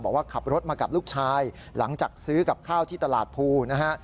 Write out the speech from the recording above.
บอกว่าขับรถมากับลูกชายหลังจากซื้อกับข้าวที่ตลาดภูนะฮะ